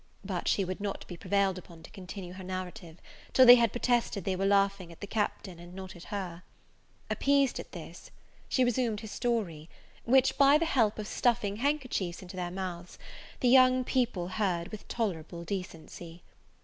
But she would not be prevailed upon to continue her narrative, till they had protested they were laughing at the Captain, and not at her. Appeased by this, she resumed her story; which by the help of stuffing handkerchiefs into their mouths, the young people heard with tolerable decency.